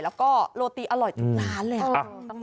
แล้วก็โรตีอร่อยทุกร้านเลย